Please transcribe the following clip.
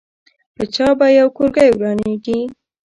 په چا به یو کورګۍ ورانېږي.